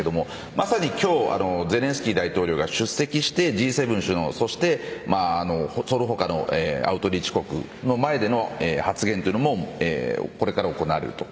まさに今日ゼレンスキー大統領が出席してＧ７首脳そして、その他のアウトリーチ国の前での発言もこれから行われると。